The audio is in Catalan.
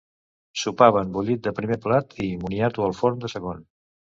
Sopaven bullit de primer plat i moniato al forn de segon.